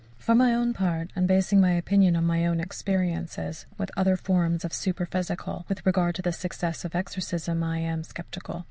For my own part, and basing my opinion on my own experiences with other forms of the superphysical, with regard to the success of exorcism I am sceptical.